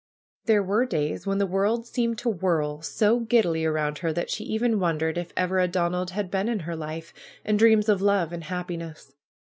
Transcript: There were days when the world seemed to whirl so giddily around her that she even wondered if ever a Donald had been in her life, and dreams of love and happiness.